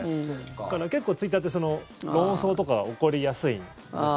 だから結構ツイッターって論争とかが起こりやすいんです。